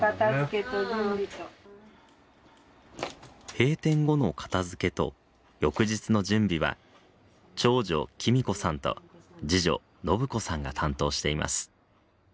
閉店後の片付けと翌日の準備は長女貴美子さんと次女信子さんが担当しています。